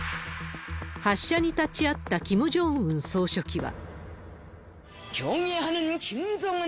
発射に立ち会ったキム・ジョンウン総書記は。